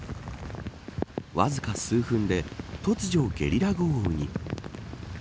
わずか数分で突如ゲリラ豪雨に。